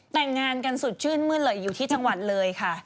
แต่งงานกันสดชื่นมืดเลยอยู่ที่จังหวัดเลยค่ะ